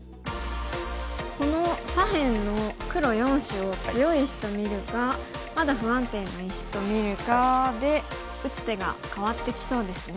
この左辺の黒４子を強い石と見るかまだ不安定な石と見るかで打つ手が変わってきそうですね。